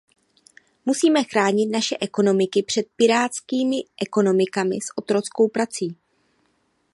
Musíme chránit naše ekonomiky před pirátskými ekonomikami s otrockou prací.